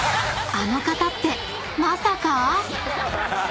［あの方ってまさか⁉］